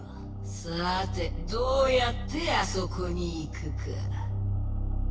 さてどうやってあそこに行くか。